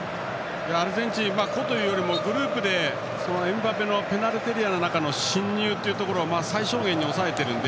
アルゼンチンは個というよりもグループで、エムバペのペナルティーエリアへの進入というところを最小限に抑えているので。